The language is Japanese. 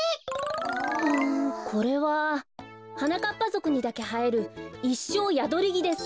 うんこれははなかっぱぞくにだけはえるイッショーヤドリギです。